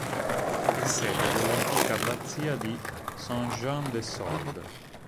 È sede dell'antica abbazia di Saint-Jean-de-Sorde.